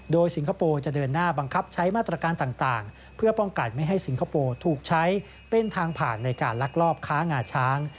โดยสิงคโปร์จะเดินหน้าบังคับใช้มาตรการต่างเพื่อป้องกันไม่ให้สิงคโปร์ถูกใช้เป็นทางผ่านในการลักลอบค้างาช้าง